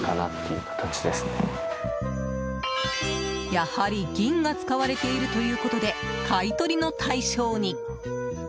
やはり銀が使われているということで買い取りの対象に。